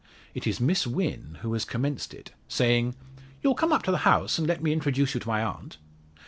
It is Miss Wynn who has commenced it, saying. "You'll come up to the house, and let me introduce you to my aunt?"